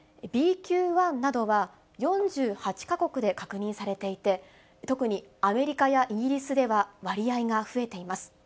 ＢＱ．１などは４８か国で確認されていて、特にアメリカやイギリスでは割合が増えています。